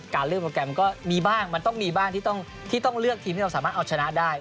เรื่องโปรแกรมก็มีบ้างมันต้องมีบ้างที่ต้องเลือกทีมที่เราสามารถเอาชนะได้